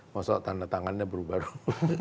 maksudnya tanda tangannya berubah